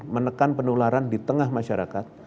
menekan penularan di tengah masyarakat